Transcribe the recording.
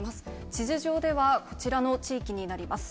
地図上ではこちらの地域になります。